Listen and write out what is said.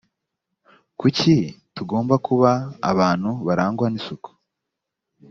kuki tugomba kuba abantu barangwa n’isuku